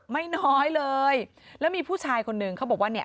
ไม่น้อยเลยแล้วมีผู้ชายคนหนึ่งเขาบอกว่าเนี่ย